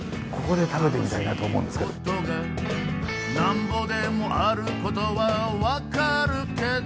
「何ぼでもあることは分かるけど」